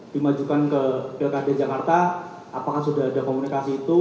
dimajukan ke pilkada jakarta apakah sudah ada komunikasi itu